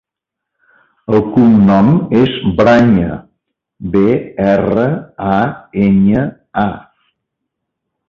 El cognom és Braña: be, erra, a, enya, a.